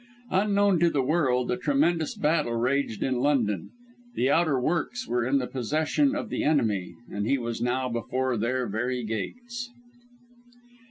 Unknown to the world, a tremendous battle raged in London, the outer works were in the possession of the enemy and he was now before their very gates.